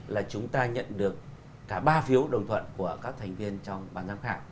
là chúng ta nhận được cả ba phiếu đồng thuận của các thành viên trong ban giám khảo